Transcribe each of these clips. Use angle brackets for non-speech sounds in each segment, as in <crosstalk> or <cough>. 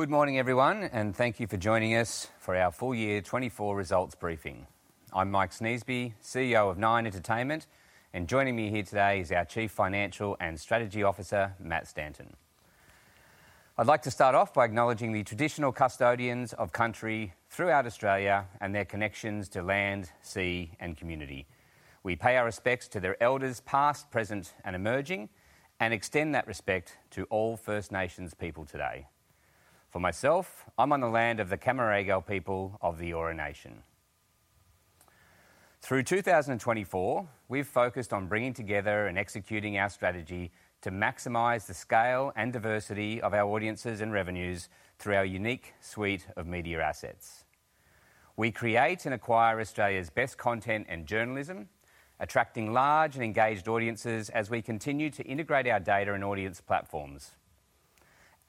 Good morning, everyone, and thank you for joining us for our full year 2024 results briefing. I'm Mike Sneesby, CEO of Nine Entertainment, and joining me here today is our Chief Financial and Strategy Officer, Matt Stanton. I'd like to start off by acknowledging the traditional custodians of country throughout Australia and their connections to land, sea, and community. We pay our respects to their elders, past, present, and emerging, and extend that respect to all First Nations people today. For myself, I'm on the land of the Cammeraygal people of the Eora Nation. Through 2024, we've focused on bringing together and executing our strategy to maximize the scale and diversity of our audiences and revenues through our unique suite of media assets. We create and acquire Australia's best content and journalism, attracting large and engaged audiences as we continue to integrate our data and audience platforms.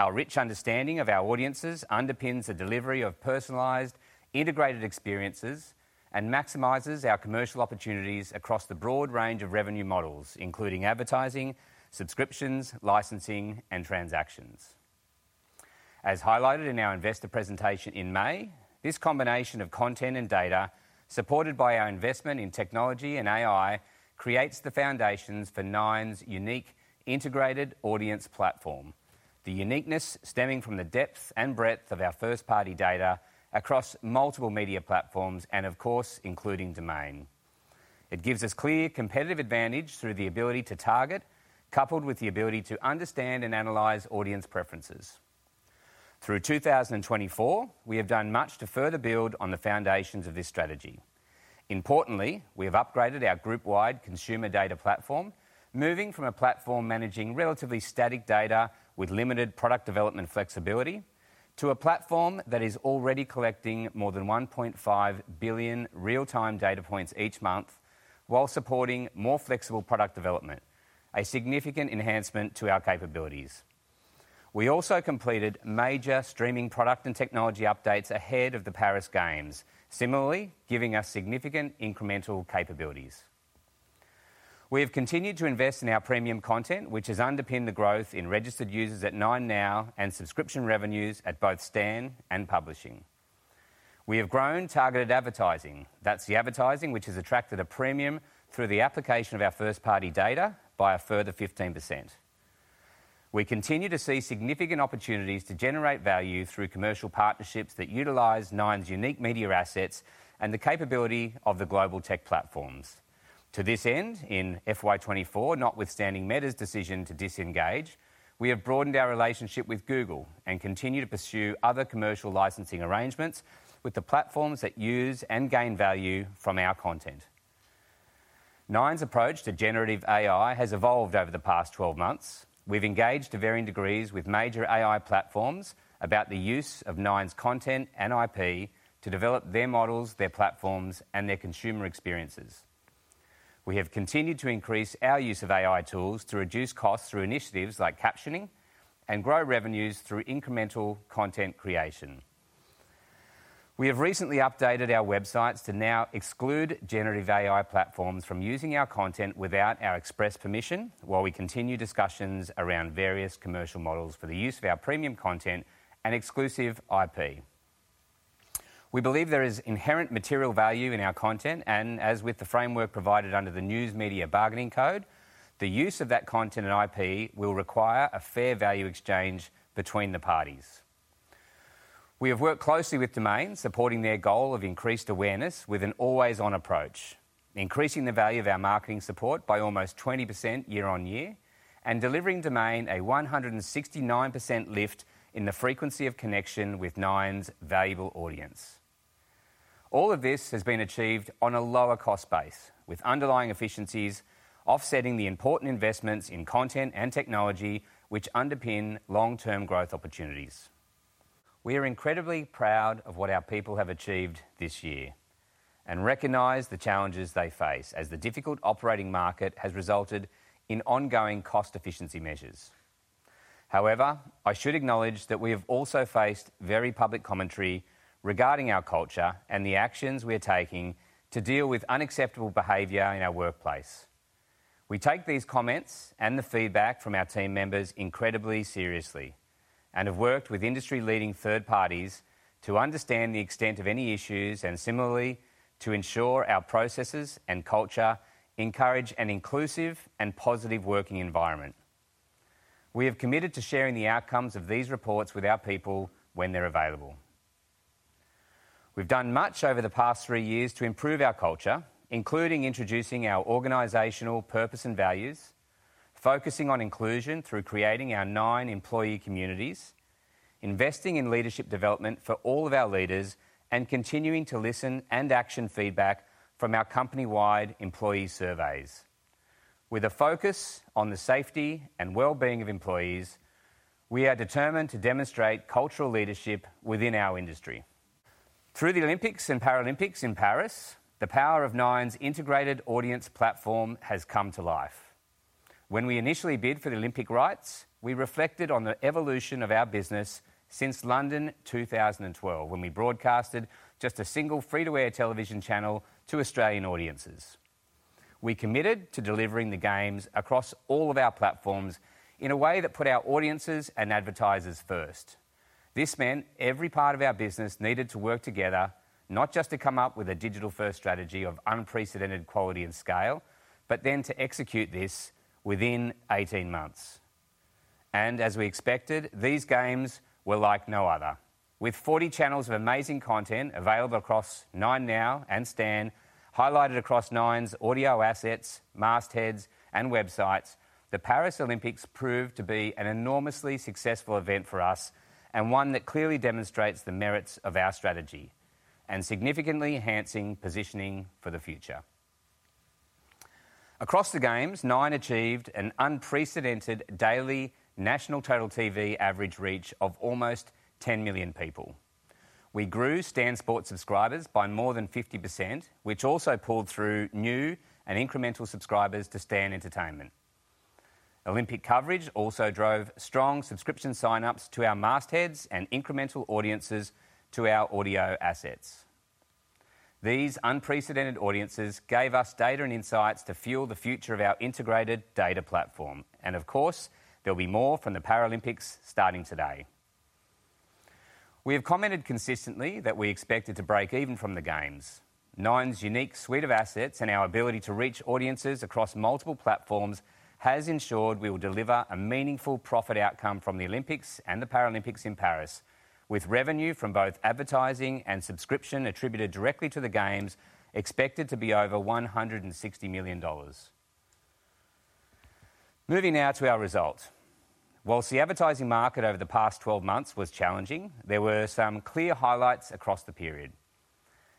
Our rich understanding of our audiences underpins the delivery of personalized, integrated experiences and maximizes our commercial opportunities across the broad range of revenue models, including advertising, subscriptions, licensing, and transactions. As highlighted in our investor presentation in May, this combination of content and data, supported by our investment in technology and AI, creates the foundations for Nine's unique integrated audience platform. The uniqueness stemming from the depth and breadth of our first-party data across multiple media platforms and, of course, including Domain. It gives us clear competitive advantage through the ability to target, coupled with the ability to understand and analyze audience preferences. Through 2024, we have done much to further build on the foundations of this strategy. Importantly, we have upgraded our group-wide consumer data platform, moving from a platform managing relatively static data with limited product development flexibility, to a platform that is already collecting more than 1.5 billion real-time data points each month, while supporting more flexible product development, a significant enhancement to our capabilities. We also completed major streaming product and technology updates ahead of the Paris Games, similarly, giving us significant incremental capabilities. We have continued to invest in our premium content, which has underpinned the growth in registered users at 9Now and subscription revenues at both Stan and publishing. We have grown targeted advertising. That's the advertising which has attracted a premium through the application of our first-party data by a further 15%. We continue to see significant opportunities to generate value through commercial partnerships that utilize Nine's unique media assets and the capability of the global tech platforms. To this end, in FY 2024, notwithstanding Meta's decision to disengage, we have broadened our relationship with Google and continue to pursue other commercial licensing arrangements with the platforms that use and gain value from our content. Nine's approach to generative AI has evolved over the past 12 months. We've engaged to varying degrees with major AI platforms about the use of Nine's content and IP to develop their models, their platforms, and their consumer experiences. We have continued to increase our use of AI tools to reduce costs through initiatives like captioning and grow revenues through incremental content creation. We have recently updated our websites to now exclude generative AI platforms from using our content without our express permission, while we continue discussions around various commercial models for the use of our premium content and exclusive IP. We believe there is inherent material value in our content, and as with the framework provided under the News Media Bargaining Code, the use of that content and IP will require a fair value exchange between the parties. We have worked closely with Domain, supporting their goal of increased awareness with an always-on approach, increasing the value of our marketing support by almost 20% year-on-year, and delivering Domain a 169% lift in the frequency of connection with Nine's valuable audience. All of this has been achieved on a lower cost base, with underlying efficiencies offsetting the important investments in content and technology, which underpin long-term growth opportunities. We are incredibly proud of what our people have achieved this year and recognize the challenges they face as the difficult operating market has resulted in ongoing cost efficiency measures. However, I should acknowledge that we have also faced very public commentary regarding our culture and the actions we are taking to deal with unacceptable behavior in our workplace. We take these comments and the feedback from our team members incredibly seriously and have worked with industry-leading third parties to understand the extent of any issues, and similarly, to ensure our processes and culture encourage an inclusive and positive working environment. We have committed to sharing the outcomes of these reports with our people when they're available. We've done much over the past three years to improve our culture, including introducing our organizational purpose and values, focusing on inclusion through creating our Nine employee communities, investing in leadership development for all of our leaders, and continuing to listen and action feedback from our company-wide employee surveys. With a focus on the safety and well-being of employees, we are determined to demonstrate cultural leadership within our industry. Through the Olympics and Paralympics in Paris, the power of Nine's integrated audience platform has come to life. When we initially bid for the Olympic rights, we reflected on the evolution of our business since London 2012, when we broadcasted just a single free-to-air television channel to Australian audiences.... We committed to delivering the games across all of our platforms in a way that put our audiences and advertisers first. This meant every part of our business needed to work together, not just to come up with a digital-first strategy of unprecedented quality and scale, but then to execute this within 18 months, and as we expected, these games were like no other. With 40 channels of amazing content available across 9Now and Stan, highlighted across Nine's audio assets, mastheads, and websites, the Paris Olympics proved to be an enormously successful event for us, and one that clearly demonstrates the merits of our strategy, and significantly enhancing positioning for the future. Across the games, Nine achieved an unprecedented daily national total TV average reach of almost 10 million people. We grew Stan Sport subscribers by more than 50%, which also pulled through new and incremental subscribers to Stan Entertainment. Olympic coverage also drove strong subscription sign-ups to our mastheads and incremental audiences to our audio assets. These unprecedented audiences gave us data and insights to fuel the future of our integrated data platform, and of course, there'll be more from the Paralympics starting today. We have commented consistently that we expected to break even from the games. Nine's unique suite of assets and our ability to reach audiences across multiple platforms has ensured we will deliver a meaningful profit outcome from the Olympics and the Paralympics in Paris, with revenue from both advertising and subscription attributed directly to the games expected to be over 160 million dollars. Moving now to our results. While the advertising market over the past 12 months was challenging, there were some clear highlights across the period.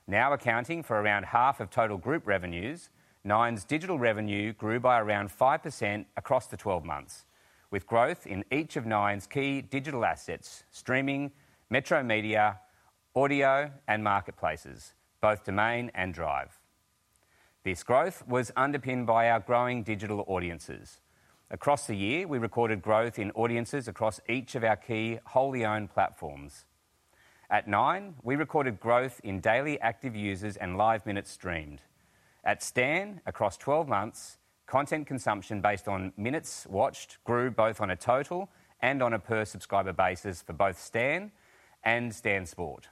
Now accounting for around half of total group revenues, Nine's digital revenue grew by around 5% across the 12 months, with growth in each of Nine's key digital assets: streaming, metro media, audio, and marketplaces, both Domain and Drive. This growth was underpinned by our growing digital audiences. Across the year, we recorded growth in audiences across each of our key wholly-owned platforms. At Nine, we recorded growth in daily active users and live minutes streamed. At Stan, across 12 months, content consumption based on minutes watched grew both on a total and on a per-subscriber basis for both Stan and Stan Sport.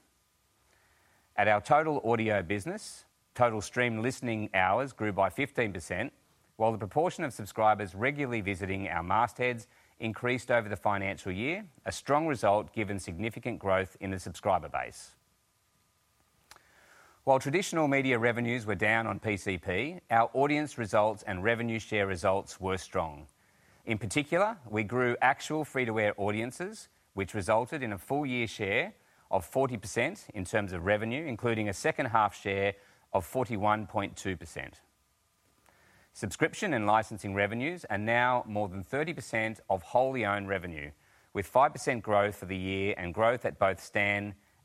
At our total audio business, total stream listening hours grew by 15%, while the proportion of subscribers regularly visiting our mastheads increased over the financial year, a strong result given significant growth in the subscriber base. While traditional media revenues were down on PCP, our audience results and revenue share results were strong. In particular, we grew actual free-to-air audiences, which resulted in a full-year share of 40% in terms of revenue, including a second-half share of 41.2%. Subscription and licensing revenues are now more than 30% of wholly owned revenue, with 5% growth for the year and growth at both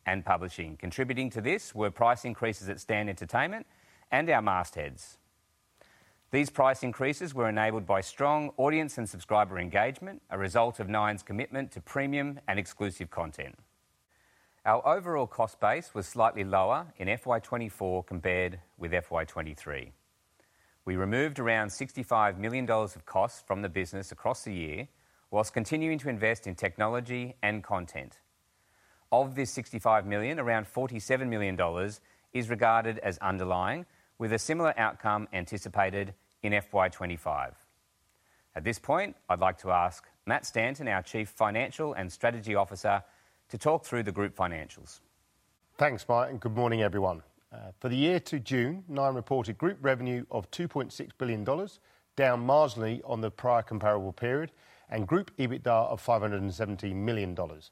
Stan and publishing. Contributing to this were price increases at Stan Entertainment and our mastheads. These price increases were enabled by strong audience and subscriber engagement, a result of Nine's commitment to premium and exclusive content. Our overall cost base was slightly lower in FY 2024 compared with FY 2023. We removed around AUD 65 million of costs from the business across the year, while continuing to invest in technology and content. Of this AUD 65 million, around 47 million dollars is regarded as underlying, with a similar outcome anticipated in FY 2025. At this point, I'd like to ask Matt Stanton, our Chief Financial and Strategy Officer, to talk through the group financials. Thanks, Mike, and good morning, everyone. For the year to June, Nine reported group revenue of 2.6 billion dollars, down marginally on the prior comparable period, and group EBITDA of 517 million dollars,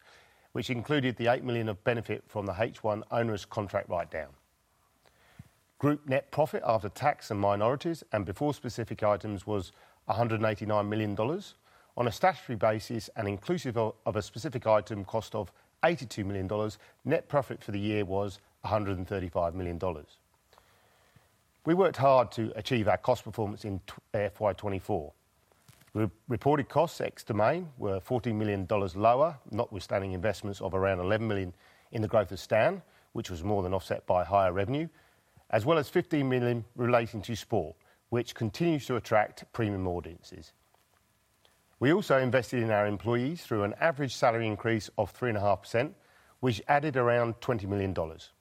which included the 8 million of benefit from the H1 onerous contract write-down. Group net profit after tax and minorities and before specific items was 189 million dollars. On a statutory basis and inclusive of a specific item cost of 82 million dollars, net profit for the year was 135 million dollars. We worked hard to achieve our cost performance in FY 2024. Reported costs, ex Domain, were AUD 14 million lower, notwithstanding investments of around AUD 11 million in the growth of Stan, which was more than offset by higher revenue, as well as AUD 15 million relating to sport, which continues to attract premium audiences. We also invested in our employees through an average salary increase of 3.5%, which added around 20 million dollars.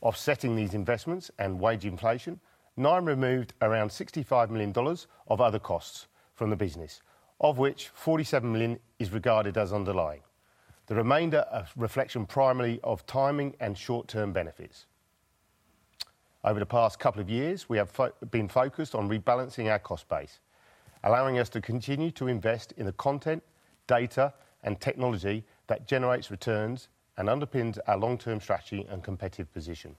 Offsetting these investments and wage inflation, Nine removed around 65 million dollars of other costs from the business, of which 47 million is regarded as underlying, the remainder a reflection primarily of timing and short-term benefits. Over the past couple of years, we have been focused on rebalancing our cost base, allowing us to continue to invest in the content, data, and technology that generates returns and underpins our long-term strategy and competitive position.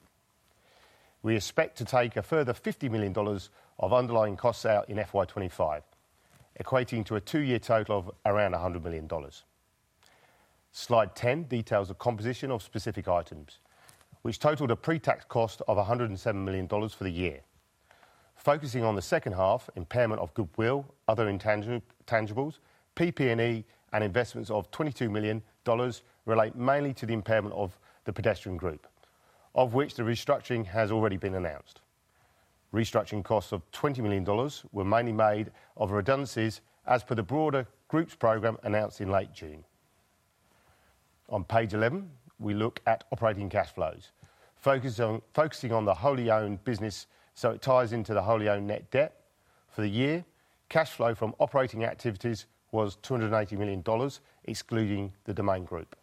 We expect to take a further 50 million dollars of underlying costs out in FY 2025, equating to a two-year total of around 100 million dollars. Slide 10 details the composition of specific items, which totaled a pre-tax cost of 107 million dollars for the year. Focusing on the second half, impairment of goodwill, other intangibles, PP&E, and investments of AUD 22 million relate mainly to the impairment of the Pedestrian Group, of which the restructuring has already been announced. Restructuring costs of 20 million dollars were mainly made of redundancies as per the broader groups program announced in late June. On page 11, we look at operating cash flows. Focusing on the wholly owned business, so it ties into the wholly owned net debt. For the year, cash flow from operating activities was 280 million dollars, excluding the Domain Group.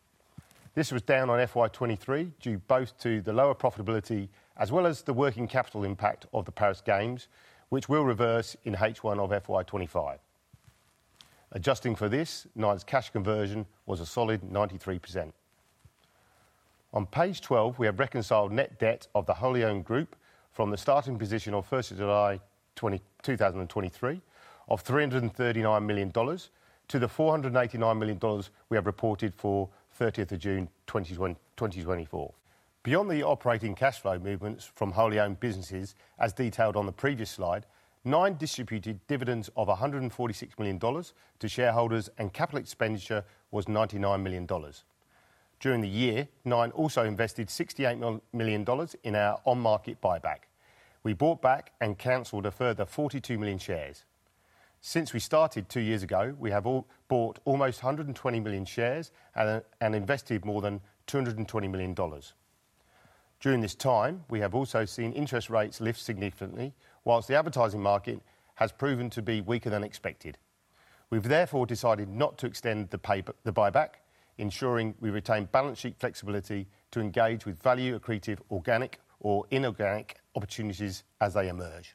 This was down on FY 2023, due both to the lower profitability as well as the working capital impact of the Paris Games, which will reverse in H1 of FY 2025. Adjusting for this, Nine's cash conversion was a solid 93%. On page 12, we have reconciled net debt of the wholly owned group from the starting position of first of July 2023, of 339 million dollars to the 489 million dollars we have reported for 30th of June 2024. Beyond the operating cash flow movements from wholly owned businesses, as detailed on the previous slide, Nine distributed dividends of 146 million dollars to shareholders, and capital expenditure was 99 million dollars. During the year, Nine also invested 68 million dollars in our on-market buyback. We bought back and canceled a further 42 million shares. Since we started two years ago, we have bought almost 120 million shares and invested more than 220 million dollars. During this time, we have also seen interest rates lift significantly, while the advertising market has proven to be weaker than expected. We've therefore decided not to extend the buyback, ensuring we retain balance sheet flexibility to engage with value-accretive, organic or inorganic opportunities as they emerge.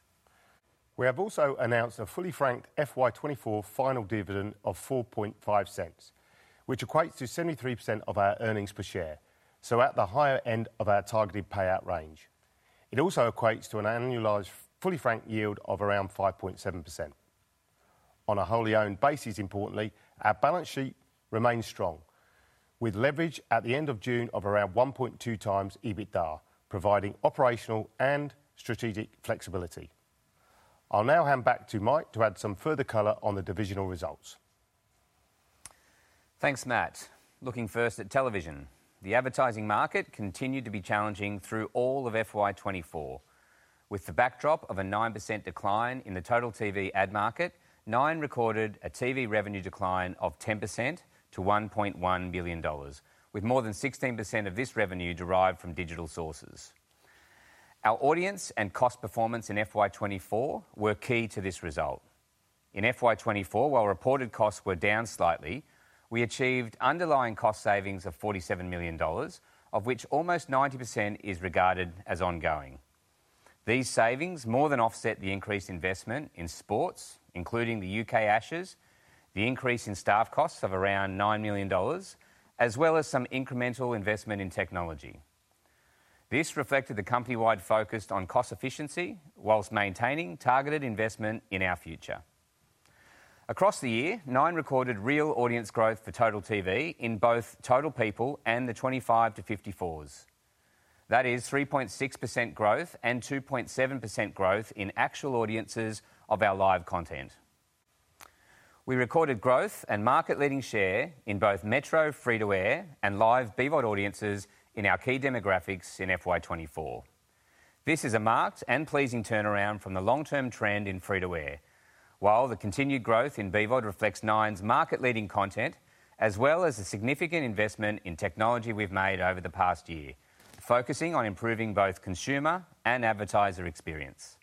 We have also announced a fully franked FY 2024 final dividend of 0.045, which equates to 73% of our earnings per share, so at the higher end of our targeted payout range. It also equates to an annualized, fully franked yield of around 5.7%. On a wholly owned basis, importantly, our balance sheet remains strong, with leverage at the end of June of around 1.2x EBITDA, providing operational and strategic flexibility. I'll now hand back to Mike to add some further color on the divisional results. Thanks, Matt. Looking first at television. The advertising market continued to be challenging through all of FY 2024. With the backdrop of a 9% decline in the total TV ad market, Nine recorded a TV revenue decline of 10% to 1.1 billion dollars, with more than 16% of this revenue derived from digital sources. Our audience and cost performance in FY 2024 were key to this result. In FY 2024, while reported costs were down slightly, we achieved underlying cost savings of 47 million dollars, of which almost 90% is regarded as ongoing. These savings more than offset the increased investment in sports, including the UK Ashes, the increase in staff costs of around 9 million dollars, as well as some incremental investment in technology. This reflected the company-wide focus on cost efficiency whilst maintaining targeted investment in our future. Across the year, Nine recorded real audience growth for total TV in both total people and the 25 to 54s. That is 3.6% growth and 2.7% growth in actual audiences of our live content. We recorded growth and market-leading share in both metro, free-to-air, and live BVOD audiences in our key demographics in FY 2024. This is a marked and pleasing turnaround from the long-term trend in free-to-air, while the continued growth in BVOD reflects Nine's market-leading content, as well as a significant investment in technology we've made over the past year, focusing on improving both consumer and advertiser experience.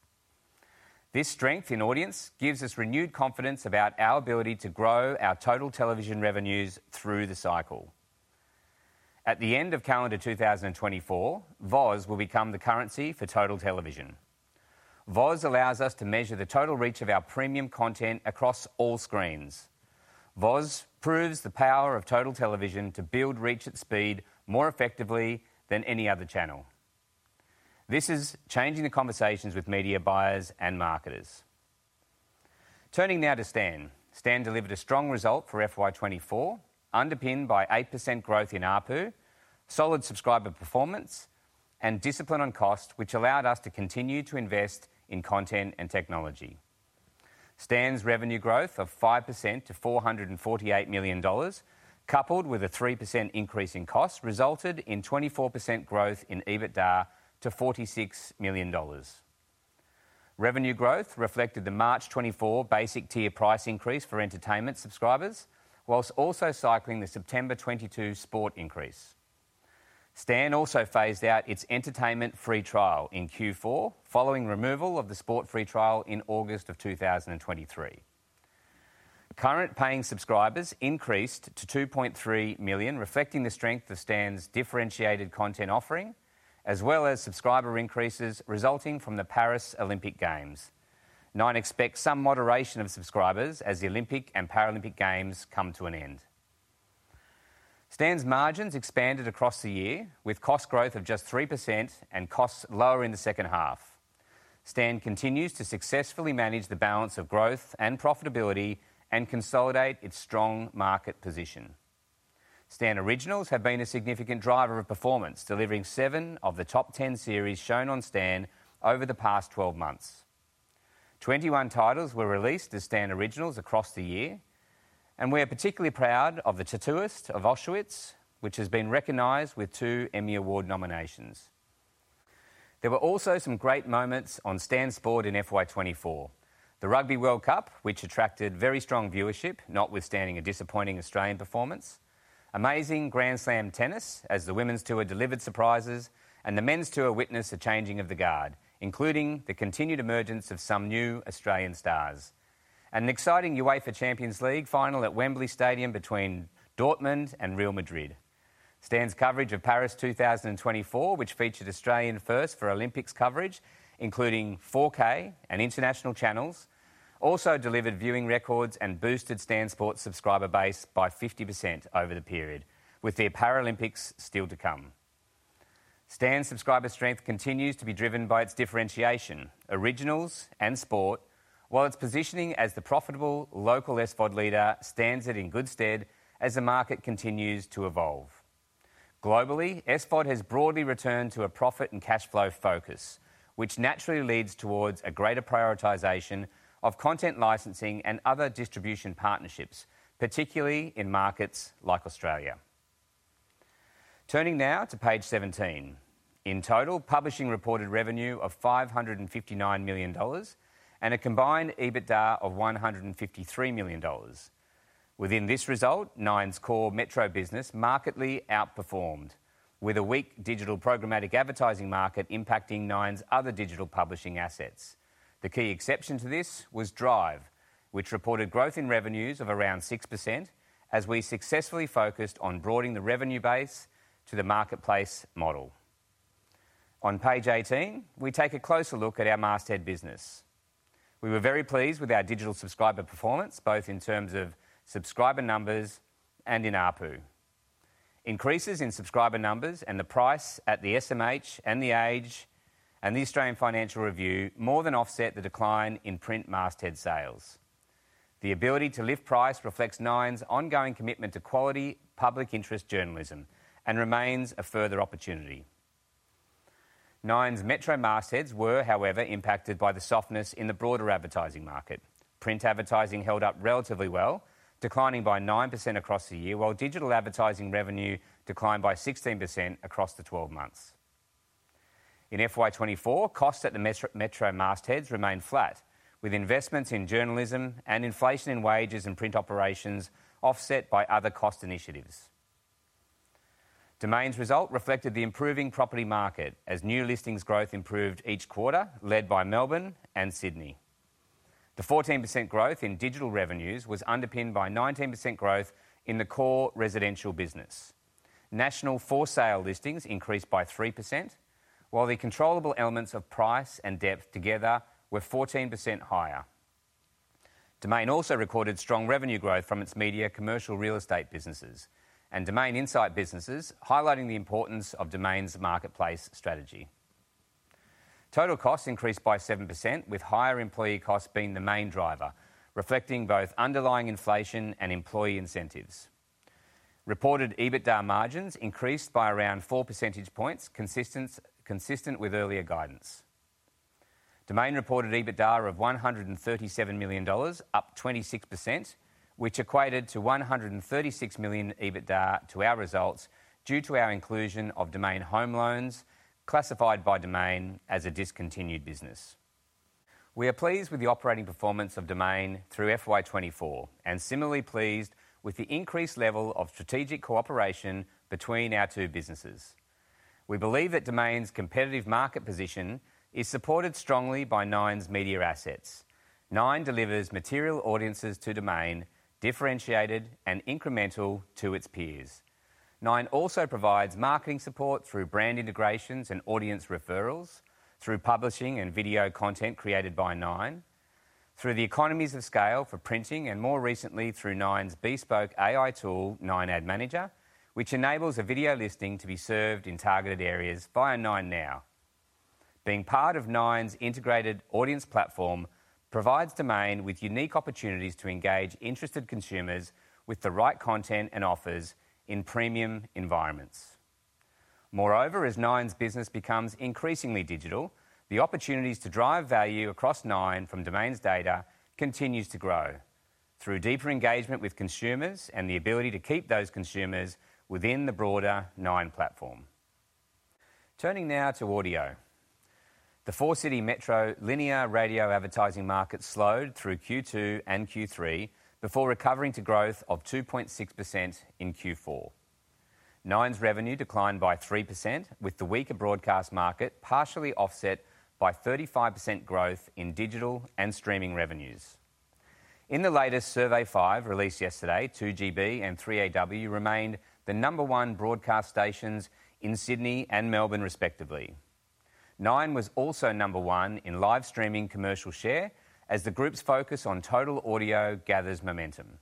This strength in audience gives us renewed confidence about our ability to grow our total television revenues through the cycle. At the end of calendar 2024, VOZ will become the currency for total television. VOZ allows us to measure the total reach of our premium content across all screens. VOZ proves the power of total television to build reach at speed more effectively than any other channel. This is changing the conversations with media buyers and marketers. Turning now to Stan. Stan delivered a strong result for FY 2024, underpinned by 8% growth in ARPU, solid subscriber performance, and discipline on cost, which allowed us to continue to invest in content and technology. Stan's revenue growth of 5% to 448 million dollars, coupled with a 3% increase in costs, resulted in 24% growth in EBITDA to 46 million dollars. Revenue growth reflected the March 2024 basic tier price increase for entertainment subscribers, whilst also cycling the September 2022 sport increase. Stan also phased out its entertainment free trial in Q4, following removal of the sport free trial in August of 2023. Current paying subscribers increased to 2.3 million, reflecting the strength of Stan's differentiated content offering, as well as subscriber increases resulting from the Paris Olympic Games. Nine expects some moderation of subscribers as the Olympic and Paralympic Games come to an end. Stan's margins expanded across the year, with cost growth of just 3% and costs lower in the second half. Stan continues to successfully manage the balance of growth and profitability and consolidate its strong market position. Stan Originals have been a significant driver of performance, delivering seven of the top 10 series shown on Stan over the past 12 months... 21 titles were released as Stan Originals across the year, and we are particularly proud of The Tattooist of Auschwitz, which has been recognized with two Emmy Award nominations. There were also some great moments on Stan Sport in FY 2024. The Rugby World Cup, which attracted very strong viewership, notwithstanding a disappointing Australian performance. Amazing Grand Slam tennis, as the women's tour delivered surprises and the men's tour witnessed a changing of the guard, including the continued emergence of some new Australian stars. And an exciting UEFA Champions League final at Wembley Stadium between Dortmund and Real Madrid. Stan's coverage of Paris 2024, which featured Australian firsts for Olympics coverage, including 4K and international channels, also delivered viewing records and boosted Stan Sport's subscriber base by 50% over the period, with the Paralympics still to come. Stan's subscriber strength continues to be driven by its differentiation, originals, and sport, while its positioning as the profitable local SVOD leader stands it in good stead as the market continues to evolve. Globally, SVOD has broadly returned to a profit and cash flow focus, which naturally leads towards a greater prioritization of content licensing and other distribution partnerships, particularly in markets like Australia. Turning now to page 17. In total, publishing reported revenue of 559 million dollars and a combined EBITDA of 153 million dollars. Within this result, Nine's core metro business markedly outperformed, with a weak digital programmatic advertising market impacting Nine's other digital publishing assets. The key exception to this was Drive, which reported growth in revenues of around 6% as we successfully focused on broadening the revenue base to the marketplace model. On page 18, we take a closer look at our masthead business. We were very pleased with our digital subscriber performance, both in terms of subscriber numbers and in ARPU. Increases in subscriber numbers and the price at the SMH and The Age and The Australian Financial Review more than offset the decline in print masthead sales. The ability to lift price reflects Nine's ongoing commitment to quality public interest journalism and remains a further opportunity. Nine's metro mastheads were, however, impacted by the softness in the broader advertising market. Print advertising held up relatively well, declining by 9% across the year, while digital advertising revenue declined by 16% across the 12 months. In FY 2024, costs at the metro mastheads remained flat, with investments in journalism and inflation in wages and print operations offset by other cost initiatives. Domain's result reflected the improving property market as new listings growth improved each quarter, led by Melbourne and Sydney. The 14% growth in digital revenues was underpinned by 19% growth in the core residential business. National for-sale listings increased by 3%, while the controllable elements of price and depth together were 14% higher. Domain also recorded strong revenue growth from its media commercial real estate businesses and Domain Insight businesses, highlighting the importance of Domain's marketplace strategy. Total costs increased by 7%, with higher employee costs being the main driver, reflecting both underlying inflation and employee incentives. Reported EBITDA margins increased by around four percentage points, consistent with earlier guidance. Domain reported EBITDA of 137 million dollars, up 26%, which equated to 136 million EBITDA to our results due to our inclusion of Domain Home Loans, classified by Domain as a discontinued business. We are pleased with the operating performance of Domain through FY 2024, and similarly pleased with the increased level of strategic cooperation between our two businesses. We believe that Domain's competitive market position is supported strongly by Nine's media assets. Nine delivers material audiences to Domain, differentiated and incremental to its peers. Nine also provides marketing support through brand integrations and audience referrals, through publishing and video content created by Nine, through the economies of scale for printing, and more recently, through Nine's bespoke AI tool, Nine Ad Manager, which enables a video listing to be served in targeted areas via 9Now. Being part of Nine's integrated audience platform provides Domain with unique opportunities to engage interested consumers with the right content and offers in premium environments. Moreover, as Nine's business becomes increasingly digital, the opportunities to drive value across Nine from Domain's data continues to grow through deeper engagement with consumers and the ability to keep those consumers within the broader Nine platform. Turning now to audio. The four-city metro linear radio advertising market slowed through Q2 and Q3 before recovering to growth of 2.6% in Q4. Nine's revenue declined by 3%, with the weaker broadcast market partially offset by 35% growth in digital and streaming revenues. In the latest Survey Five, released yesterday, 2GB and 3AW remained the number one broadcast stations in Sydney and Melbourne, respectively. Nine was also number one in live streaming commercial share as the group's focus on total audio gathers momentum.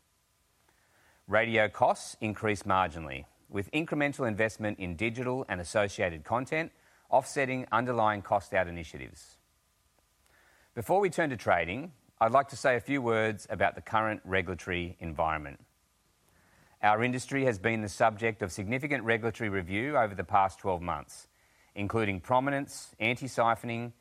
Radio costs increased marginally, with incremental investment in digital and associated content offsetting underlying cost-out initiatives. Before we turn to trading, I'd like to say a few words about the current regulatory environment. Our industry has been the subject of significant regulatory review over the past 12 months, including prominence, anti-siphoning,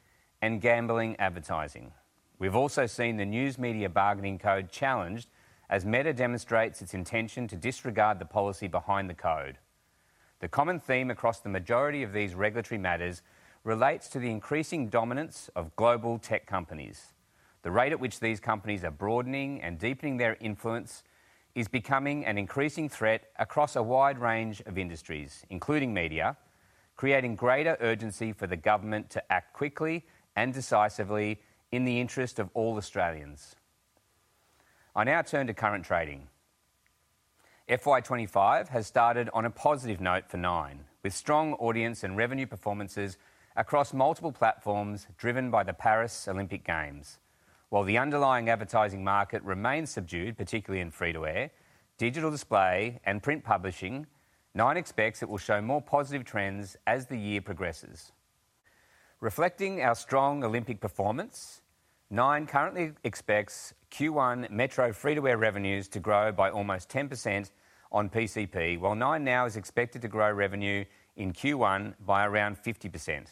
and gambling advertising. We've also seen the News Media Bargaining Code challenged as Meta demonstrates its intention to disregard the policy behind the code. The common theme across the majority of these regulatory matters relates to the increasing dominance of global tech companies. The rate at which these companies are broadening and deepening their influence is becoming an increasing threat across a wide range of industries, including media, creating greater urgency for the government to act quickly and decisively in the interest of all Australians. I now turn to current trading. FY 2025 has started on a positive note for Nine, with strong audience and revenue performances across multiple platforms driven by the Paris Olympic Games. While the underlying advertising market remains subdued, particularly in free-to-air, digital display, and print publishing, Nine expects it will show more positive trends as the year progresses. Reflecting our strong Olympic performance, Nine currently expects Q1 metro free-to-air revenues to grow by almost 10% on PCP, while 9Now is expected to grow revenue in Q1 by around 50%.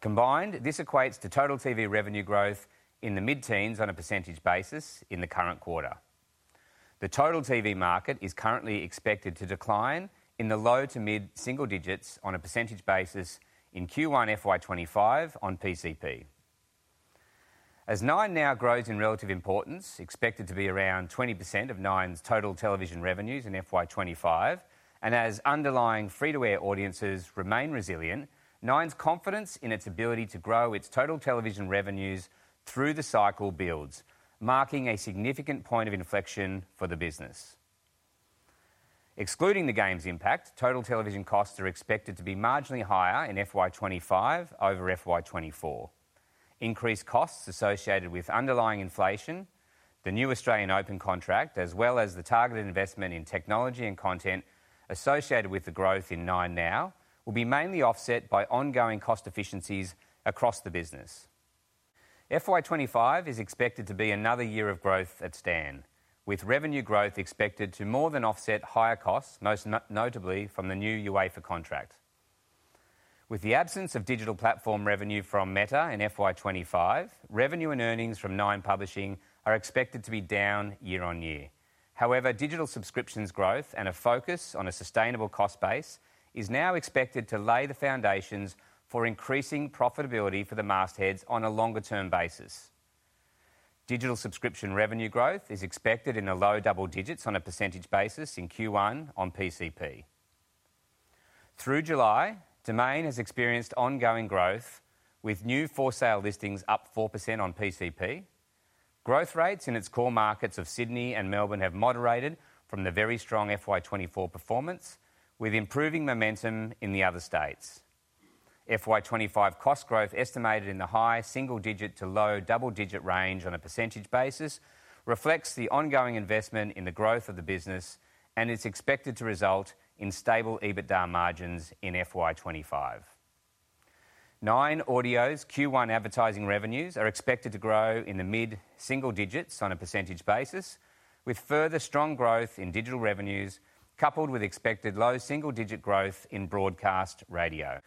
Combined, this equates to total TV revenue growth in the mid-teens % on a percentage basis in the current quarter. The total TV market is currently expected to decline in the low to mid-single digits % on a percentage basis in Q1 FY 2025 on PCP. As 9Now grows in relative importance, expected to be around 20% of Nine's total television revenues in FY 2025, and as underlying free-to-air audiences remain resilient, Nine's confidence in its ability to grow its total television revenues through the cycle builds, marking a significant point of inflection for the business. Excluding the Games' impact, total television costs are expected to be marginally higher in FY 2025 over FY 2024. Increased costs associated with underlying inflation, the new Australian Open contract, as well as the targeted investment in technology and content associated with the growth in 9Now, will be mainly offset by ongoing cost efficiencies across the business. FY 2025 is expected to be another year of growth at Stan, with revenue growth expected to more than offset higher costs, most notably from the new UEFA contract. With the absence of digital platform revenue from Meta in FY 2025, revenue and earnings from Nine Publishing are expected to be down year on year. However, digital subscriptions growth and a focus on a sustainable cost base is now expected to lay the foundations for increasing profitability for the mastheads on a longer-term basis. Digital subscription revenue growth is expected in the low double digits on a percentage basis in Q1 on PCP. Through July, Domain has experienced ongoing growth, with new for-sale listings up 4% on PCP. Growth rates in its core markets of Sydney and Melbourne have moderated from the very strong FY 2024 performance, with improving momentum in the other states. FY 2025 cost growth, estimated in the high single-digit to low double-digit range on a percentage basis, reflects the ongoing investment in the growth of the business, and it's expected to result in stable EBITDA margins in FY 2025. Nine Audio's Q1 advertising revenues are expected to grow in the mid-single digits on a percentage basis, with further strong growth in digital revenues, coupled with expected low single-digit growth in broadcast radio.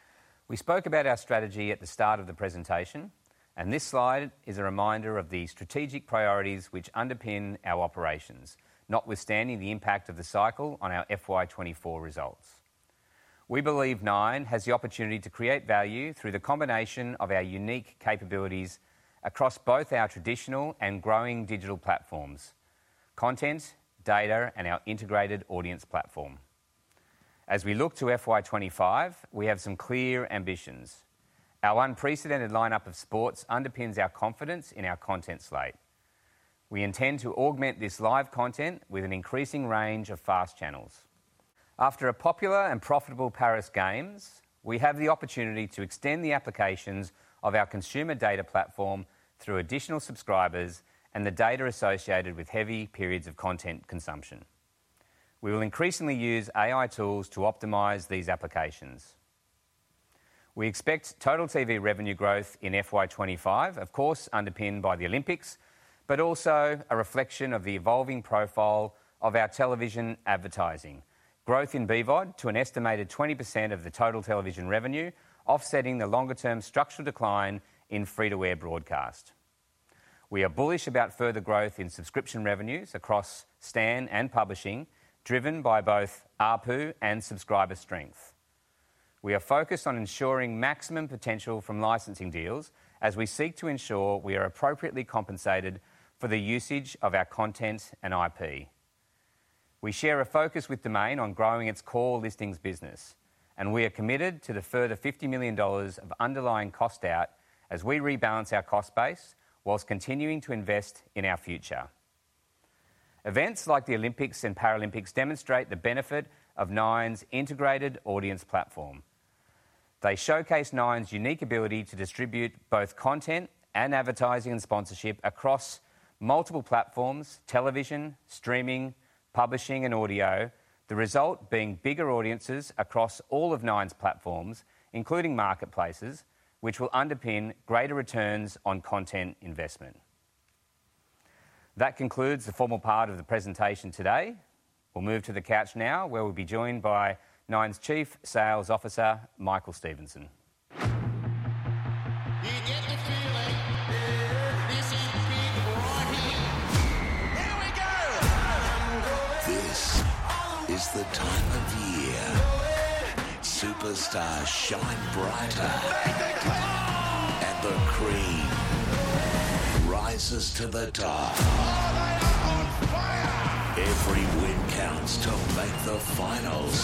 We spoke about our strategy at the start of the presentation, and this slide is a reminder of the strategic priorities which underpin our operations, notwithstanding the impact of the cycle on our FY 2024 results. We believe Nine has the opportunity to create value through the combination of our unique capabilities across both our traditional and growing digital platforms, content, data, and our integrated audience platform. As we look to FY 2025, we have some clear ambitions. Our unprecedented lineup of sports underpins our confidence in our content slate. We intend to augment this live content with an increasing range of fast channels. After a popular and profitable Paris Games, we have the opportunity to extend the applications of our consumer data platform through additional subscribers and the data associated with heavy periods of content consumption. We will increasingly use AI tools to optimize these applications. We expect total TV revenue growth in FY 2025, of course, underpinned by the Olympics, but also a reflection of the evolving profile of our television advertising. Growth in BVOD to an estimated 20% of the total television revenue, offsetting the longer-term structural decline in free-to-air broadcast. We are bullish about further growth in subscription revenues across Stan and publishing, driven by both ARPU and subscriber strength. We are focused on ensuring maximum potential from licensing deals as we seek to ensure we are appropriately compensated for the usage of our content and IP. We share a focus with Domain on growing its core listings business, and we are committed to the further 50 million dollars of underlying cost out as we rebalance our cost base whilst continuing to invest in our future. Events like the Olympics and Paralympics demonstrate the benefit of Nine's integrated audience platform. They showcase Nine's unique ability to distribute both content and advertising and sponsorship across multiple platforms: television, streaming, publishing, and audio. The result being bigger audiences across all of Nine's platforms, including marketplaces, which will underpin greater returns on content investment... That concludes the formal part of the presentation today. We'll move to the couch now, where we'll be joined by Nine's Chief Sales Officer, Michael Stephenson. You get the feeling. Yeah. This is big right here. Here we go! This is the time of year. Superstars shine brighter. The cream rises to the top. Oh, they are on fire! Every win counts to make the finals.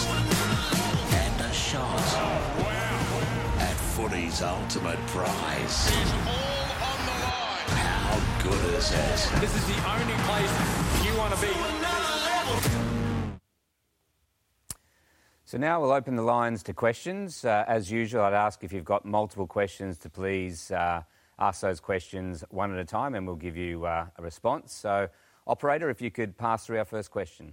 And a shot- -at footy's ultimate prize. It's all on the line. How good is this? This is the only place you want to be. <audio distortion> So now we'll open the lines to questions. As usual, I'd ask if you've got multiple questions to please ask those questions one at a time, and we'll give you a response. So, operator, if you could pass through our first question.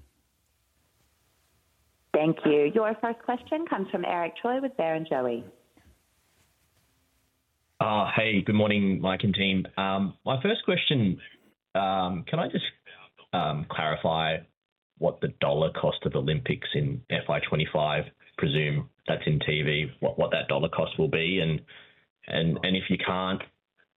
Thank you. Your first question comes from Eric Choi with Barrenjoey. Hey, good morning, Mike and team. My first question, can I just clarify what the dollar cost of Olympics in FY 2025 will be, presuming that's in TV? And if you can't,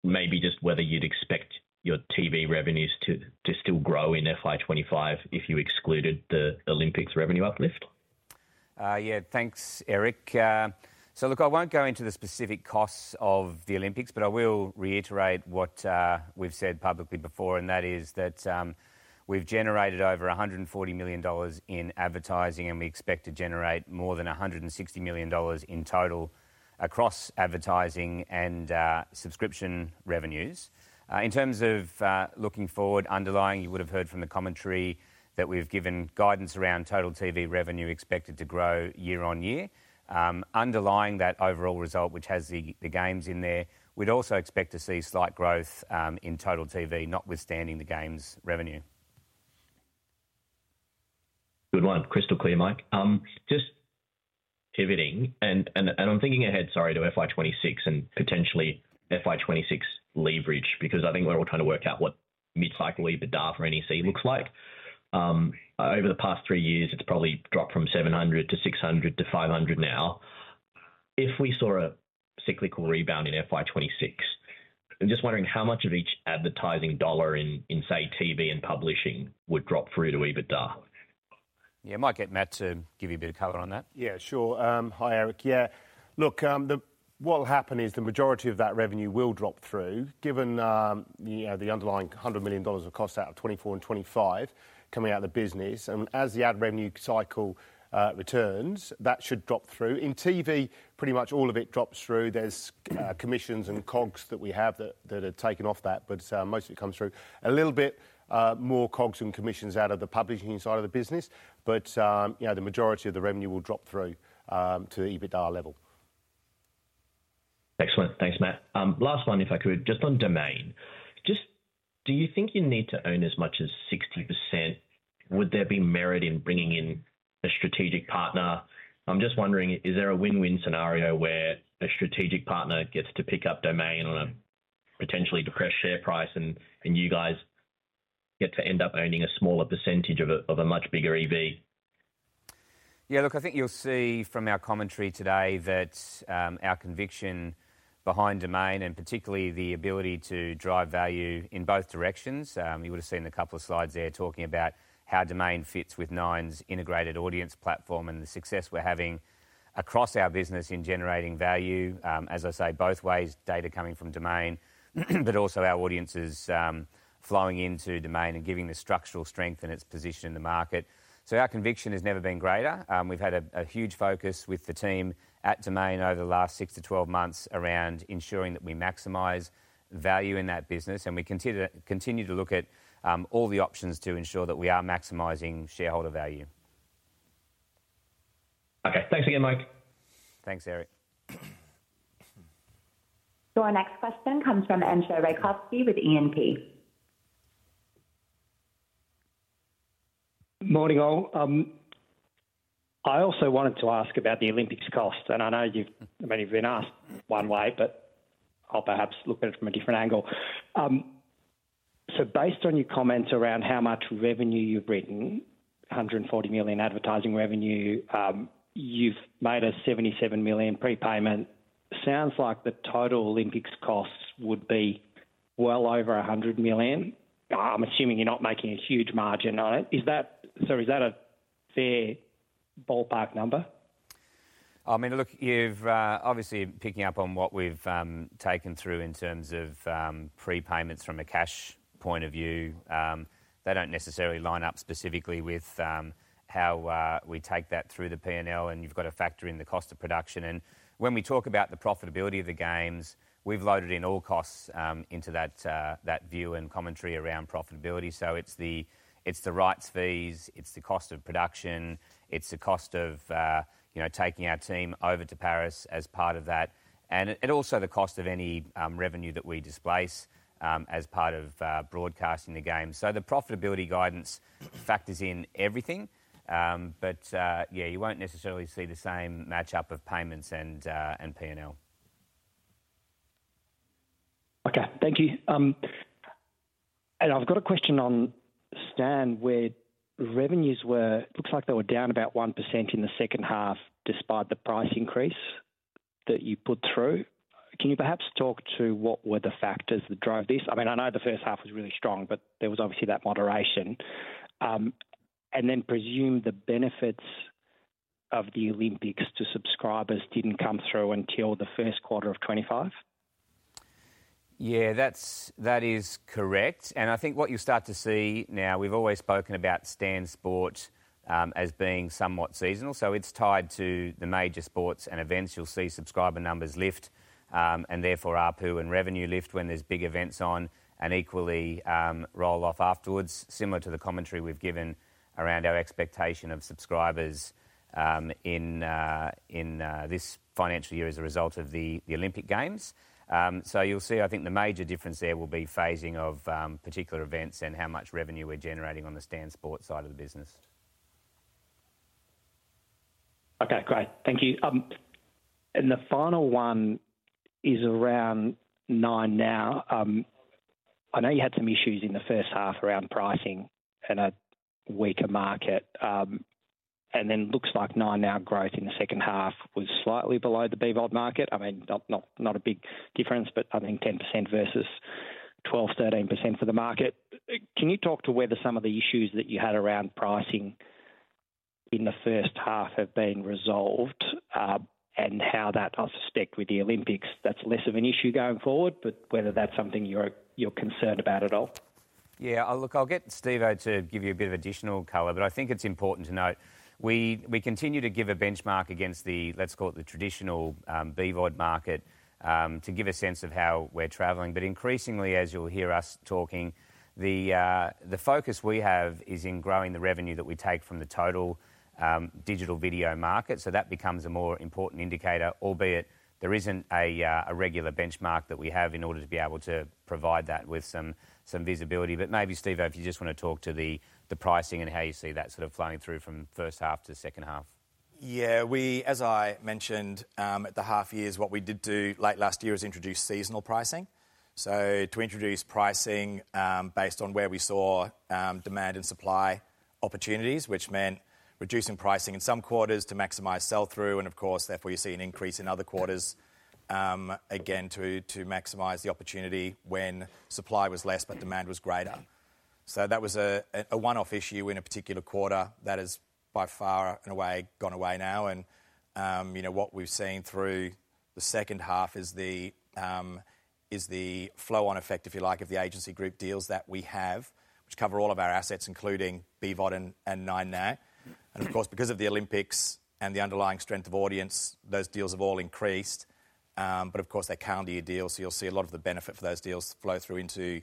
maybe just whether you'd expect your TV revenues to still grow in FY 2025 if you excluded the Olympics revenue uplift? Yeah, thanks, Eric. So look, I won't go into the specific costs of the Olympics, but I will reiterate what we've said publicly before, and that is that we've generated over 140 million dollars in advertising, and we expect to generate more than 160 million dollars in total across advertising and subscription revenues. In terms of looking forward, underlying, you would have heard from the commentary that we've given guidance around total TV revenue expected to grow year-on-year. Underlying that overall result, which has the games in there, we'd also expect to see slight growth in total TV, notwithstanding the games' revenue. Good one. Crystal clear, Mike. Just pivoting, and I'm thinking ahead, sorry, to FY 2026 and potentially FY 2026 leverage, because I think we're all trying to work out what mid-cycle EBITDA for NEC looks like. Over the past three years, it's probably dropped from 700 to 600 to 500 now. If we saw a cyclical rebound in FY 2026, I'm just wondering how much of each advertising dollar in, say, TV and publishing would drop through to EBITDA? Yeah, I might get Matt to give you a bit of color on that. Yeah, sure. Hi, Eric. Yeah, look, what will happen is the majority of that revenue will drop through, given you know, the underlying 100 million dollars of cost out of 2024 and 2025 coming out of the business. And as the ad revenue cycle returns, that should drop through. In TV, pretty much all of it drops through. There's commissions and COGS that we have that are taken off that, but most of it comes through. A little bit more COGS and commissions out of the publishing side of the business, but you know, the majority of the revenue will drop through to the EBITDA level. Excellent. Thanks, Matt. Last one, if I could, just on Domain. Just do you think you need to own as much as 60%? Would there be merit in bringing in a strategic partner? I'm just wondering, is there a win-win scenario where a strategic partner gets to pick up Domain on a potentially depressed share price, and you guys get to end up owning a smaller percentage of a much bigger EV? Yeah, look, I think you'll see from our commentary today that our conviction behind Domain, and particularly the ability to drive value in both directions, you would have seen a couple of slides there talking about how Domain fits with Nine's integrated audience platform and the success we're having across our business in generating value. As I say, both ways, data coming from Domain, but also our audiences flowing into Domain and giving the structural strength and its position in the market. So our conviction has never been greater. We've had a huge focus with the team at Domain over the last six to 12 months around ensuring that we maximize value in that business, and we continue to look at all the options to ensure that we are maximizing shareholder value. Okay. Thanks again, Mike. Thanks, Eric. Our next question comes from [Andrew Rakowski with ANT]. Morning, all. I also wanted to ask about the Olympics cost, and I know you've maybe been asked one way, but I'll perhaps look at it from a different angle. So based on your comments around how much revenue you've written, 140 million advertising revenue, you've made a 77 million prepayment. Sounds like the total Olympics costs would be well over 100 million. I'm assuming you're not making a huge margin on it. Is that... So is that a fair ballpark number? I mean, look, you've obviously picking up on what we've taken through in terms of prepayments from a cash point of view. They don't necessarily line up specifically with how we take that through the P&L, and you've got to factor in the cost of production. And when we talk about the profitability of the games, we've loaded in all costs into that that view and commentary around profitability. So it's the, it's the rights fees, it's the cost of production, it's the cost of you know, taking our team over to Paris as part of that, and it, and also the cost of any revenue that we displace as part of broadcasting the game. So the profitability guidance factors in everything, but yeah, you won't necessarily see the same match-up of payments and P&L.... Okay, thank you. And I've got a question on Stan, where revenues were, looks like they were down about 1% in the second half, despite the price increase that you put through. Can you perhaps talk to what were the factors that drove this? I mean, I know the first half was really strong, but there was obviously that moderation. And then presume the benefits of the Olympics to subscribers didn't come through until the first quarter of 2025? Yeah, that's, that is correct. And I think what you'll start to see now, we've always spoken about Stan Sport, as being somewhat seasonal, so it's tied to the major sports and events. You'll see subscriber numbers lift, and therefore, ARPU and revenue lift when there's big events on, and equally, roll off afterwards, similar to the commentary we've given around our expectation of subscribers, in this financial year as a result of the Olympic Games. So you'll see, I think the major difference there will be phasing of particular events and how much revenue we're generating on the Stan Sport side of the business. Okay, great. Thank you, and the final one is around 9Now. I know you had some issues in the first half around pricing and a weaker market, and then looks like 9Now growth in the second half was slightly below the BVOD market. I mean, not a big difference, but I think 10% versus 12%-13% for the market. Can you talk to whether some of the issues that you had around pricing in the first half have been resolved, and how that... I suspect with the Olympics, that's less of an issue going forward, but whether that's something you're concerned about at all? Yeah, look, I'll get Stevo to give you a bit of additional color, but I think it's important to note, we continue to give a benchmark against the, let's call it the traditional, BVOD market, to give a sense of how we're traveling. But increasingly, as you'll hear us talking, the focus we have is in growing the revenue that we take from the total, digital video market, so that becomes a more important indicator, albeit there isn't a regular benchmark that we have in order to be able to provide that with some visibility. But maybe, Stevo, if you just want to talk to the pricing and how you see that sort of flowing through from first half to second half. Yeah, we, as I mentioned, at the half years, what we did do late last year is introduce seasonal pricing. So to introduce pricing based on where we saw demand and supply opportunities, which meant reducing pricing in some quarters to maximize sell-through, and of course, therefore, you see an increase in other quarters again to maximize the opportunity when supply was less but demand was greater. So that was a one-off issue in a particular quarter that is by far and away gone away now, and you know, what we've seen through the second half is the flow-on effect, if you like, of the agency group deals that we have, which cover all of our assets, including BVOD and 9Now. And of course, because of the Olympics and the underlying strength of audience, those deals have all increased. But of course, they calendar year deals, so you'll see a lot of the benefit for those deals flow through into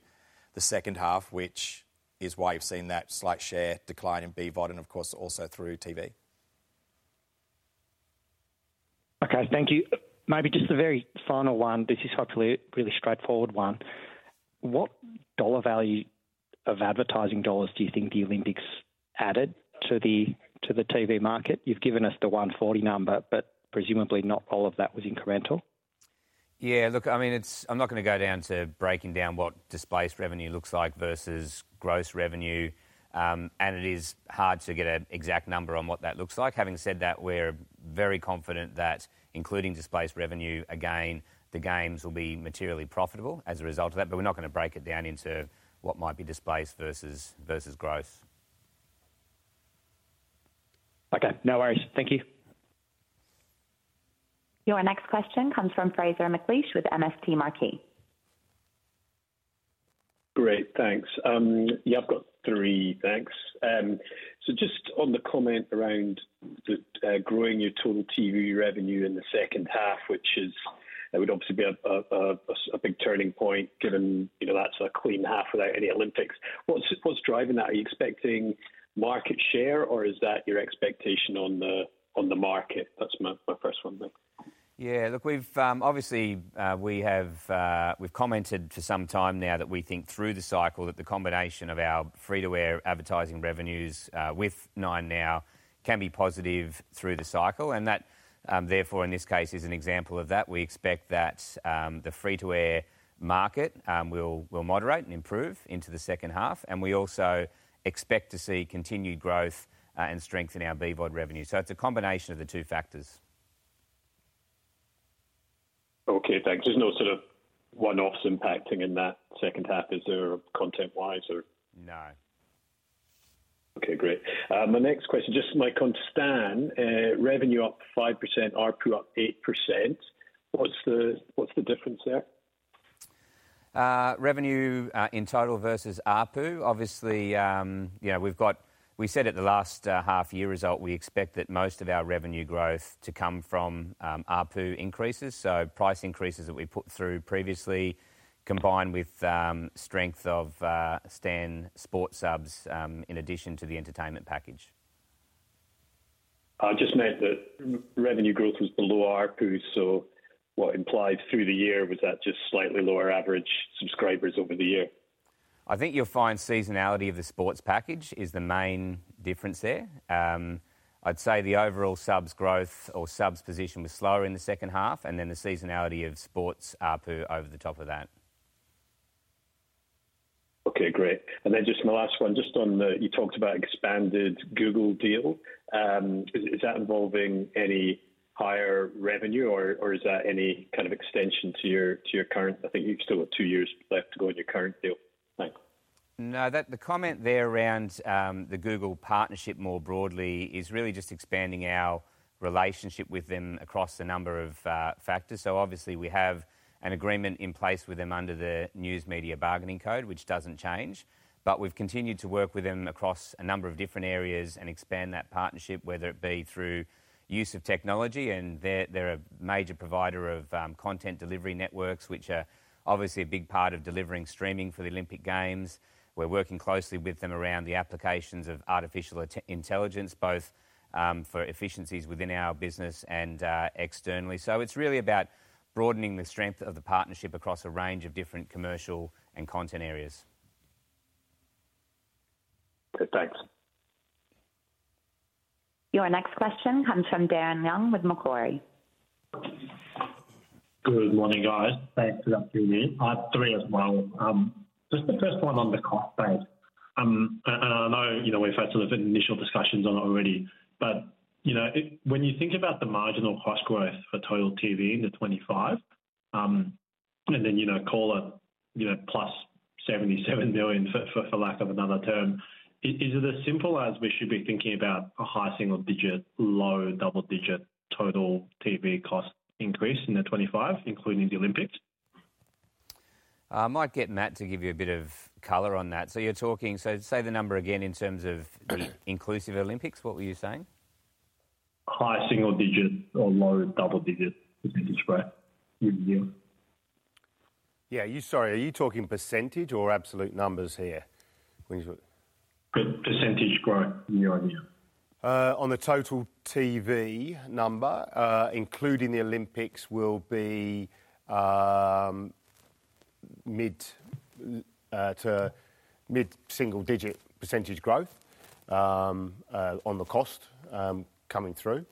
the second half, which is why you've seen that slight share decline in BVOD and, of course, also through TV. Okay, thank you. Maybe just a very final one. This is hopefully a really straightforward one. What dollar value of advertising dollars do you think the Olympics added to the TV market? You've given us the 140 number, but presumably not all of that was incremental. Yeah, look, I mean, it's. I'm not going to go down to breaking down what displaced revenue looks like versus gross revenue, and it is hard to get an exact number on what that looks like. Having said that, we're very confident that including displaced revenue, again, the Games will be materially profitable as a result of that, but we're not going to break it down into what might be displaced versus growth. Okay, no worries. Thank you. Your next question comes from Fraser McLeish with MST Marquee. Great, thanks. Yeah, I've got three, thanks. So just on the comment around the growing your total TV revenue in the second half, which is, it would obviously be a big turning point, given, you know, that's a clean half without any Olympics. What's driving that? Are you expecting market share, or is that your expectation on the market? That's my first one there. Yeah, look, we've obviously commented for some time now that we think through the cycle that the combination of our free-to-air advertising revenues with 9Now can be positive through the cycle, and that therefore in this case is an example of that. We expect that the free-to-air market will moderate and improve into the second half, and we also expect to see continued growth and strength in our BVOD revenue. So it's a combination of the two factors. Okay, thanks. There's no sort of one-offs impacting in that second half, is there, content-wise, or? No. Okay, great. My next question, just, Mike, on Stan, revenue up 5%, ARPU up 8%. What's the difference there? Revenue in total versus ARPU? Obviously, you know, we've got we said at the last half year result, we expect that most of our revenue growth to come from ARPU increases, so price increases that we put through previously, combined with strength of Stan Sport subs in addition to the entertainment package. I just meant that revenue growth was below ARPU, so what implies through the year, was that just slightly lower average subscribers over the year? ... I think you'll find seasonality of the sports package is the main difference there. I'd say the overall subs growth or subs position was slower in the second half, and then the seasonality of sports over the top of that. Okay, great. And then just my last one, just on the... You talked about expanded Google deal. Is that involving any higher revenue or is that any kind of extension to your current-- I think you've still got two years left to go in your current deal? Thanks. No, that, the comment there around, the Google partnership more broadly is really just expanding our relationship with them across a number of factors. So obviously, we have an agreement in place with them under the News Media Bargaining Code, which doesn't change, but we've continued to work with them across a number of different areas and expand that partnership, whether it be through use of technology, and they're a major provider of content delivery networks, which are obviously a big part of delivering streaming for the Olympic Games. We're working closely with them around the applications of artificial intelligence, both for efficiencies within our business and externally. So it's really about broadening the strength of the partnership across a range of different commercial and content areas. Okay, thanks. Your next question comes from Darren Leung with Macquarie. Good morning, guys. Thanks for letting me in. I have three as well. Just the first one on the cost base, and I know, you know, we've had sort of initial discussions on it already, but, you know, it... When you think about the marginal cost growth for total TV in the 2025, and then, you know, call it, you know, plus 77 million for lack of another term, is it as simple as we should be thinking about a high single digit, low double digit total TV cost increase in the 2025, including the Olympics? I might get Matt to give you a bit of color on that. So you're talking, so say the number again in terms of- Okay. The inclusive Olympics. What were you saying? High single digit or low double digit percentage growth, year-on-year. Sorry, are you talking percentage or absolute numbers here, when you put- Percentage growth, year-on-year. On the total TV number, including the Olympics, will be mid- to mid-single-digit % growth on the cost coming through.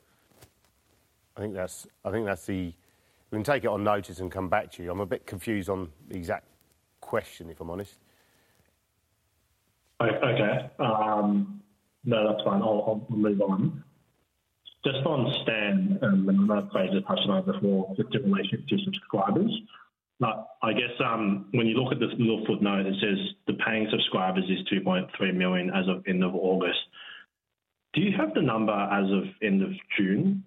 I think that's. We can take it on notice and come back to you. I'm a bit confused on the exact question, if I'm honest. Okay, no, that's fine. I'll move on. Just on Stan, and I've raised this question before with relation to subscribers, but I guess, when you look at this little footnote, it says the paying subscribers is 2.3 million as of end of August. Do you have the number as of end of June?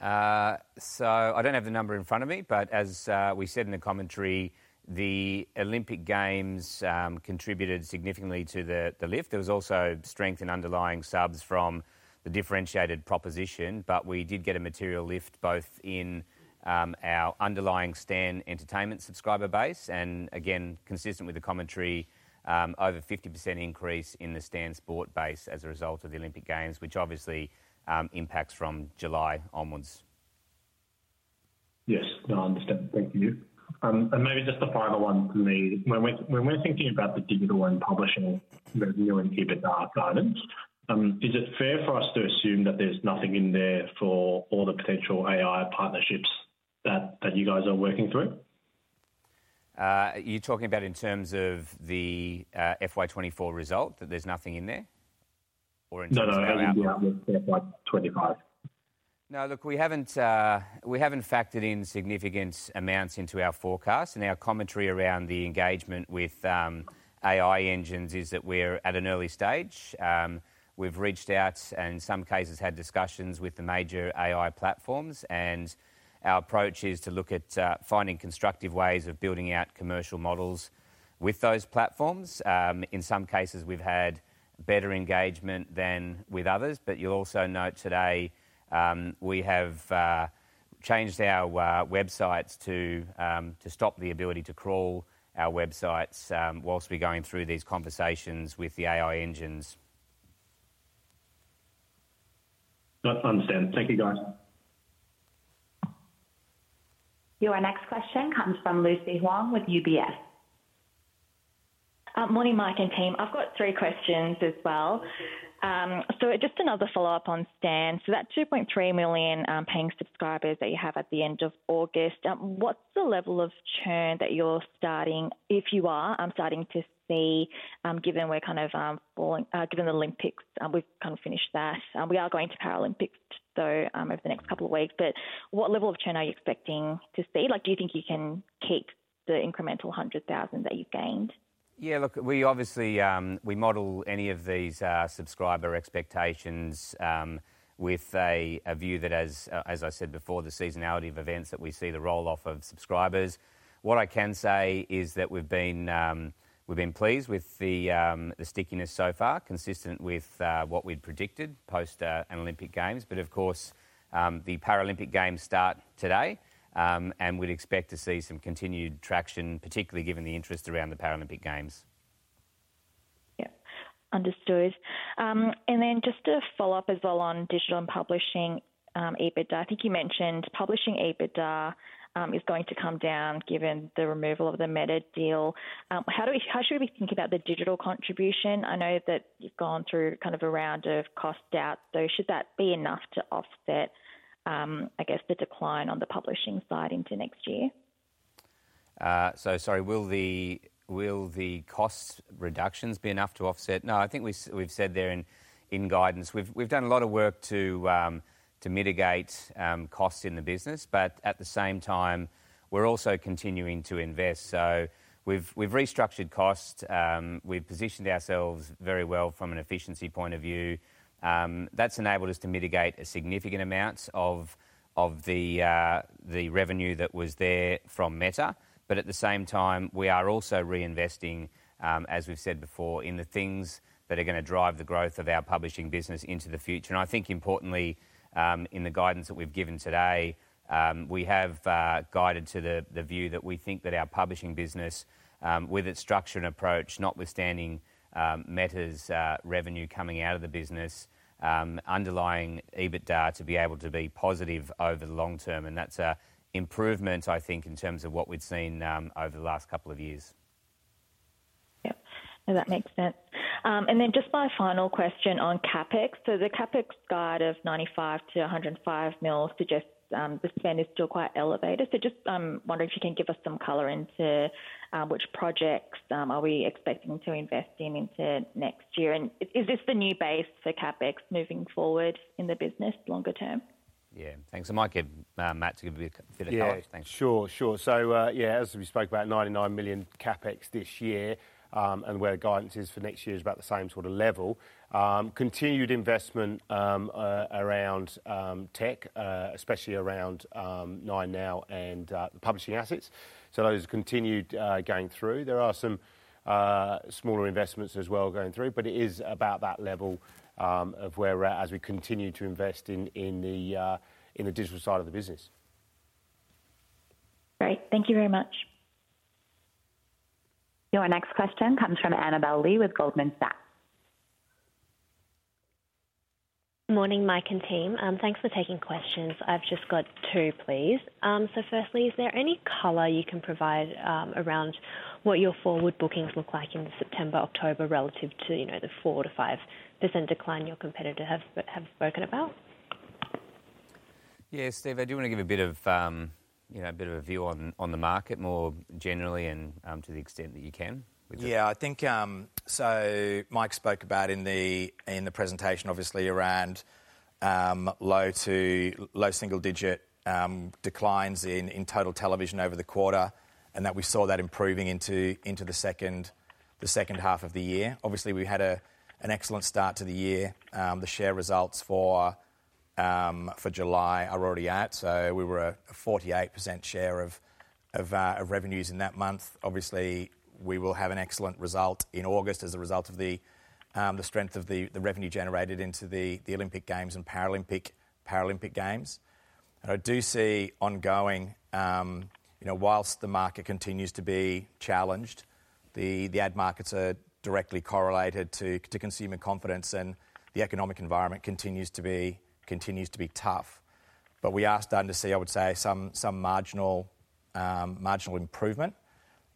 So I don't have the number in front of me, but as we said in the commentary, the Olympic Games contributed significantly to the lift. There was also strength in underlying subs from the differentiated proposition, but we did get a material lift both in our underlying Stan Entertainment subscriber base, and again, consistent with the commentary, over 50% increase in the Stan Sport base as a result of the Olympic Games, which obviously impacts from July onwards. Yes, no, I understand. Thank you, and maybe just a final one from me. When we're thinking about the digital and publishing revenue and EBITDA guidance, is it fair for us to assume that there's nothing in there for all the potential AI partnerships that you guys are working through? You're talking about in terms of the FY 2024 result, that there's nothing in there? Or in terms of- No, no, FY 2025. No, look, we haven't factored in significant amounts into our forecast, and our commentary around the engagement with AI engines is that we're at an early stage. We've reached out and in some cases had discussions with the major AI platforms, and our approach is to look at finding constructive ways of building out commercial models with those platforms. In some cases, we've had better engagement than with others, but you'll also note today we have changed our websites to stop the ability to crawl our websites whilst we're going through these conversations with the AI engines. No, I understand. Thank you, guys. Your next question comes from Lucy Huang with UBS. Morning, Mike and team. I've got three questions as well. So just another follow-up on Stan. So that 2.3 million paying subscribers that you have at the end of August, what's the level of churn that you're starting to see, if you are starting to see, given we're kind of following the Olympics, we've kind of finished that. We are going to Paralympics, though, over the next couple of weeks, but what level of churn are you expecting to see? Like, do you think you can keep the incremental 100,000 that you've gained? Yeah, look, we obviously we model any of these subscriber expectations with a view that as I said before, the seasonality of events, that we see the roll-off of subscribers. What I can say is that we've been pleased with the stickiness so far, consistent with what we'd predicted post an Olympic Games. But of course, the Paralympic Games start today, and we'd expect to see some continued traction, particularly given the interest around the Paralympic Games.... Yeah, understood. And then just a follow-up as well on digital and publishing EBITDA. I think you mentioned publishing EBITDA is going to come down given the removal of the Meta deal. How should we think about the digital contribution? I know that you've gone through kind of a round of cost cuts, so should that be enough to offset, I guess, the decline on the publishing side into next year? So sorry, will the cost reductions be enough to offset? No, I think we've said there in guidance, we've done a lot of work to mitigate costs in the business, but at the same time, we're also continuing to invest. We've restructured costs, we've positioned ourselves very well from an efficiency point of view. That's enabled us to mitigate a significant amount of the revenue that was there from Meta, but at the same time, we are also reinvesting, as we've said before, in the things that are gonna drive the growth of our publishing business into the future. I think importantly, in the guidance that we've given today, we have guided to the view that we think that our publishing business, with its structure and approach, notwithstanding, Meta's revenue coming out of the business, underlying EBITDA to be able to be positive over the long term, and that's a improvement, I think, in terms of what we've seen, over the last couple of years. Yep, no, that makes sense. And then just my final question on CapEx. So the CapEx guide of 95 million-105 million suggests the spend is still quite elevated. So just wondering if you can give us some color into which projects are we expecting to invest in next year? And is this the new base for CapEx moving forward in the business longer term? Yeah, thanks. I might get Matt to give you a bit of color. Yeah. Thanks. Sure, sure. So, yeah, as we spoke about 99 million CapEx this year, and where guidance is for next year is about the same sort of level. Continued investment around tech, especially around 9Now and the publishing assets. So those continued going through. There are some smaller investments as well going through, but it is about that level of where we're at as we continue to invest in the digital side of the business. Great. Thank you very much. Your next question comes from Annabel Li with Goldman Sachs. Morning, Mike and team. Thanks for taking questions. I've just got two, please. So firstly, is there any color you can provide around what your forward bookings look like in September, October, relative to, you know, the 4%-5% decline your competitor have spoken about? Yeah, Steve, I do want to give a bit of, you know, a bit of a view on the market more generally and, to the extent that you can. Yeah, I think. So Mike spoke about in the presentation, obviously, around low to low single digit declines in total television over the quarter, and that we saw that improving into the second half of the year. Obviously, we had an excellent start to the year. The share results for July are already out, so we were a 48% share of revenues in that month. Obviously, we will have an excellent result in August as a result of the strength of the revenue generated into the Olympic Games and Paralympic Games. And I do see ongoing, you know, whilst the market continues to be challenged, the ad markets are directly correlated to consumer confidence, and the economic environment continues to be tough. But we are starting to see, I would say, some marginal improvement.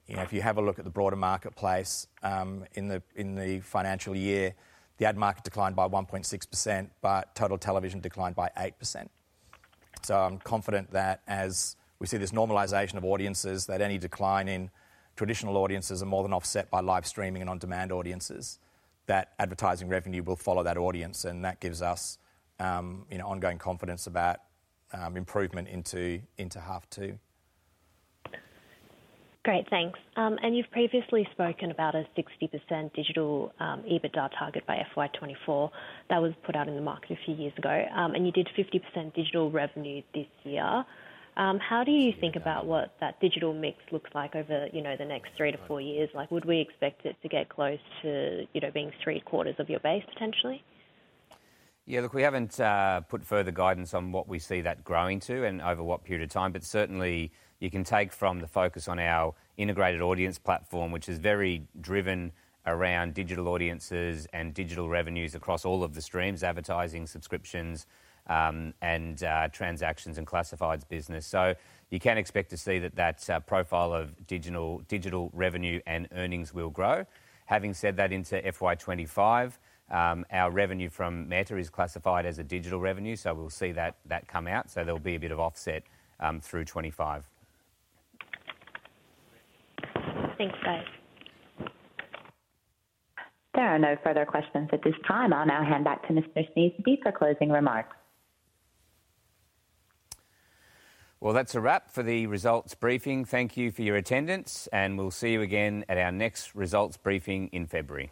You know, if you have a look at the broader marketplace, in the financial year, the ad market declined by 1.6%, but total television declined by 8%. So I'm confident that as we see this normalization of audiences, that any decline in traditional audiences are more than offset by live streaming and on-demand audiences, that advertising revenue will follow that audience, and that gives us, you know, ongoing confidence about improvement into half two. Great, thanks, and you've previously spoken about a 60% digital EBITDA target by FY 2024. That was put out in the market a few years ago, and you did 50% digital revenue this year. How do you think about what that digital mix looks like over, you know, the next three to four years? Like, would we expect it to get close to, you know, being three-quarters of your base potentially? Yeah, look, we haven't put further guidance on what we see that growing to and over what period of time, but certainly you can take from the focus on our integrated audience platform, which is very driven around digital audiences and digital revenues across all of the streams, advertising, subscriptions, and transactions and classifieds business. So you can expect to see that profile of digital revenue and earnings will grow. Having said that, into FY 2025, our revenue from Meta is classified as a digital revenue, so we'll see that come out. So there'll be a bit of offset through 2025. Thanks, guys. There are no further questions at this time. I'll now hand back to Mr. Sneesby for closing remarks. That's a wrap for the results briefing. Thank you for your attendance, and we'll see you again at our next results briefing in February.